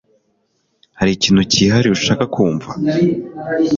Hari ikintu cyihariye ushaka kumva